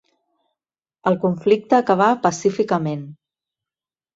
El conflicte acabà pacíficament.